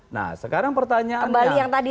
nah sekarang pertanyaannya